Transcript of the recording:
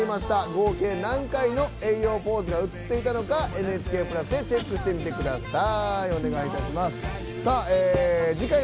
合計何回のＡｙ‐Ｙｏポーズが映っていたのか「ＮＨＫプラス」でチェックしてみてください。